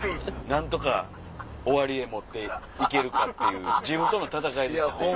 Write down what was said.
何とか終わりへ持って行けるかっていう自分との戦いでしたね。